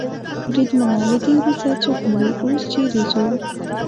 بریدمنه، له ده وروسته څوک مري؟ اوس چېرې ځو؟